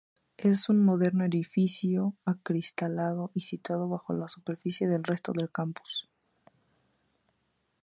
Es un moderno edificio acristalado y situado bajo la superficie del resto del Campus.